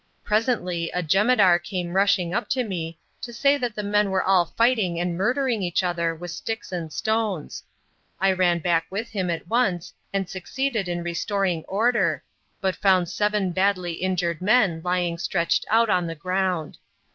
Presently a jemadar came rushing up to me to say that the men were all fighting and murdering each other with sticks and stones. I ran back with him at once and succeeded in restoring order, but found seven badly injured men lying stretched out on the ground.